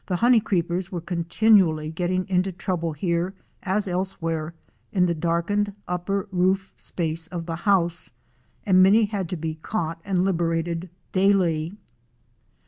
Honey Creepers were continually getting into trouble here as elsewhere in the darkened upper roof space of the house, and many had to be caught and liberated daily.